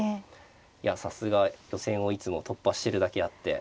いやさすが予選をいつも突破してるだけあって。